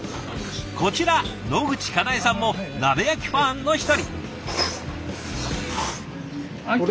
こちら野口香苗さんも鍋焼きファンの一人。